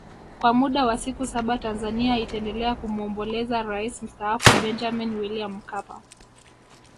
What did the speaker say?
Kwa muda wa siku saba Tanzania itaendelea kumwombolezea Rais Mstaafu Benjamin William Mkapa